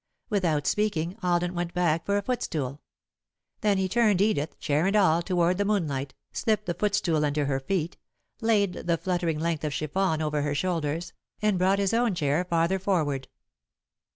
Without speaking, Alden went back for a footstool. Then he turned Edith, chair and all, toward the moonlight, slipped the footstool under her feet, laid the fluttering length of chiffon over her shoulders, and brought his own chair farther forward.